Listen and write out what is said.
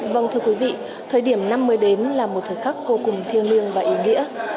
vâng thưa quý vị thời điểm năm mới đến là một thời khắc vô cùng thiêng liêng và ý nghĩa